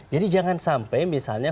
jadi jangan sampai misalnya